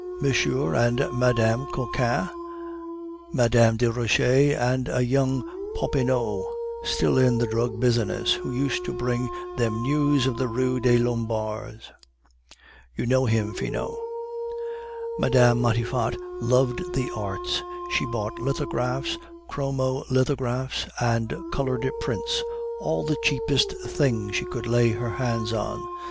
and Mme. Cochin, Mme. Desroches, and a young Popinot, still in the drug business, who used to bring them news of the Rue des Lombards. (You know him, Finot.) Mme. Matifat loved the arts; she bought lithographs, chromo lithographs, and colored prints, all the cheapest things she could lay her hands on.